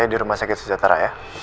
di rumah sakit sejahtera ya